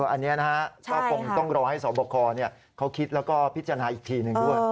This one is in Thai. อันนี้นะฮะก็คงต้องรอให้สวบคเขาคิดแล้วก็พิจารณาอีกทีหนึ่งด้วย